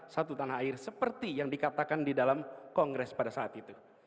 satu tanah air seperti yang dikatakan di dalam kongres pada saat itu